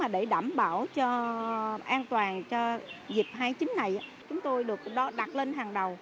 để đảm bảo cho an toàn cho dịp hai mươi chín này chúng tôi được đặt lên hàng đầu